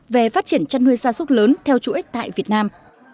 về phát triển chăn nuôi xa súc lớn theo chuỗi tại việt nam